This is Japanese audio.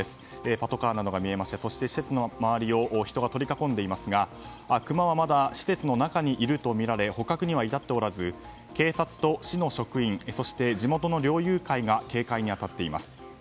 パトカーなどが見えましてそして施設の周りを人が取り囲んでいますがクマはまだ施設の中にいるとみられ捕獲には至っておらず警察と市の職員そして地元の猟友会が警戒に当たっています。